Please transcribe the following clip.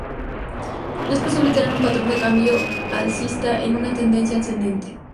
No es posible tener un patrón de cambio alcista en una tendencia ascendente.